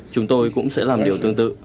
chúng tôi cũng sẽ làm điều tương tự